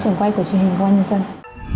hẹn gặp lại các bạn trong những video tiếp theo